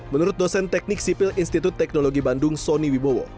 menurut dosen teknik sipil institut teknologi bandung soni wibowo